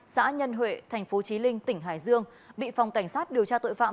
xã nhân huệ tp trí linh tỉnh hải dương bị phòng cảnh sát điều tra tội phạm